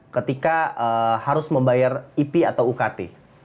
ketika harus membayar ip atau ukt